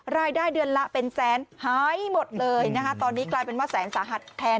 รายได้เดือนละเป็นแสนหายหมดเลยนะคะตอนนี้กลายเป็นว่าแสนสาหัสแทน